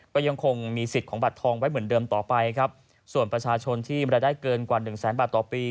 ก็ยังคงมีสิทธิ์ของบัตรทองไว้เหมือนเดิมต่อไปครับส่วนประชาชนที่รายได้เกินกว่าหนึ่งแสนบาทต่อปี